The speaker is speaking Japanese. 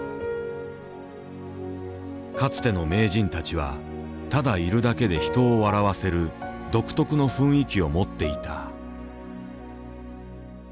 かつての名人たちはただいるだけで人を笑わせる独特の雰囲気を持っていた。